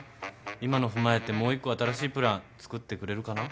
今の踏まえてもう１個新しいプラン作ってくれるかな？